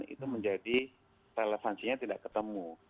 itu menjadi relevansinya tidak ketemu